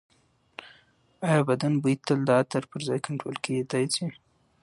ایا بدن بوی تل د عطر پرځای کنټرول کېدی شي؟